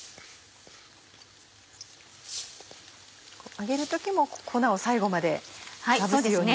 揚げる時も粉を最後までまぶすように。